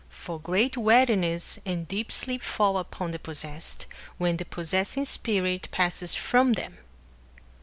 [For great weariness and deep sleep fall upon the possessed, when the possessing from them.